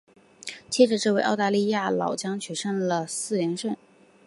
接着这位澳大利亚老将取得了四连胜。